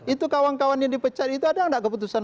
itu kawan kawan yang dipecat itu ada nggak keputusan